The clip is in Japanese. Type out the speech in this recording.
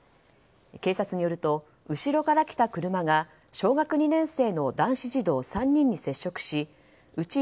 警察によると、後ろから来た車が小学２年生の男子児童３人に接触しうち